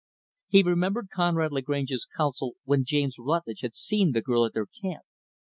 He remembered Conrad Lagrange's counsel when James Rutlidge had seen the girl at their camp.